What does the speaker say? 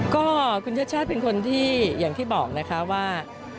ก็คุณชาติชาติเป็นคนที่อย่างที่บอกนะคะว่า